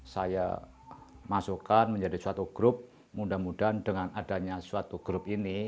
saya masukkan menjadi suatu grup mudah mudahan dengan adanya suatu grup ini